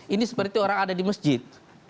ini seperti orang ada di masjid